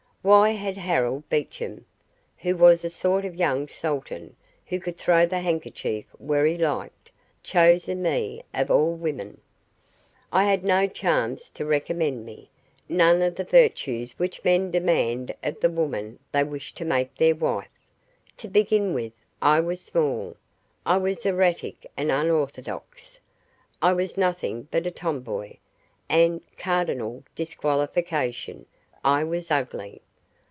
Why had Harold Beecham (who was a sort of young sultan who could throw the handkerchief where he liked) chosen me of all women? I had no charms to recommend me none of the virtues which men demand of the woman they wish to make their wife. To begin with, I was small, I was erratic and unorthodox, I was nothing but a tomboy and, cardinal disqualification, I was ugly.